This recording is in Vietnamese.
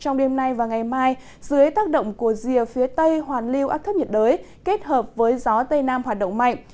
ngày mai dưới tác động của rìa phía tây hoàn lưu áp thấp nhiệt đới kết hợp với gió tây nam hoạt động mạnh